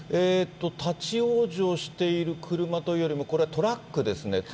立往生している車というよりも、これはトラックですね。